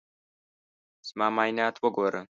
زما معاینات وګوره.